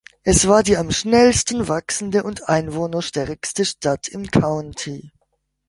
Es war die am schnellsten wachsende und einwohnerstärkste Stadt im County.